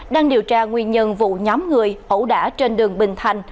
đang điều tra nguyên nhân vụ nhóm người ẩu đả trên đường bình thành